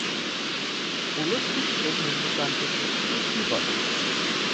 উলোথ্রিক্সের নিম্নপ্রান্তের কোষটিকে কী বলে?